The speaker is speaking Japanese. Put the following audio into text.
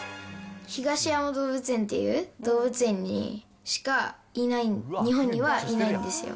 東山動物園っていう動物園にしかいない、日本にはいないんですよ。